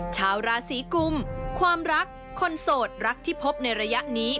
ชาวราศีกุมความรักคนโสดรักที่พบในระยะนี้